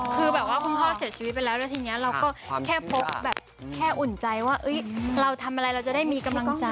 คือแบบว่าคุณพ่อเสียชีวิตไปแล้วแล้วทีนี้เราก็แค่พกแบบแค่อุ่นใจว่าเราทำอะไรเราจะได้มีกำลังใจ